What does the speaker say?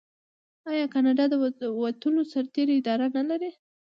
آیا کاناډا د وتلو سرتیرو اداره نلري؟